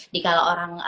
di kalau orang